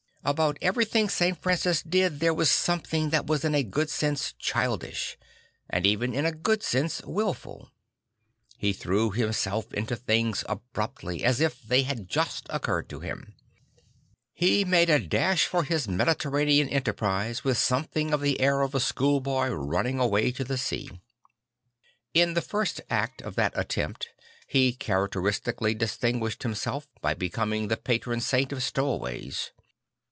About everything St. Francis did there was something that was in a good sense childish, and even in a good sense wilful. He threw himself into things abruptly, as if they had just occurred to him. He made a dash for his Mediterranean enterprise with something of the air of a schoolboy running away to sea. In the first act of that attempt he character istically distinguished himself by becoming the Patron Saint of Stowaways.